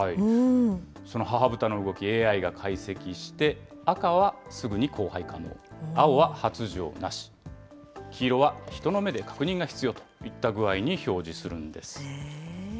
その母豚の動き、ＡＩが解析して、赤はすぐに交配可能、青は発情なし、黄色は人の目で確認が必要といった具合に表示するんです。